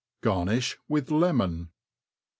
Garniih with lemon*.